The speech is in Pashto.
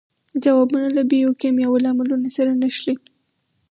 ځوابونه له بیوکیمیاوي لاملونو سره نښلوي.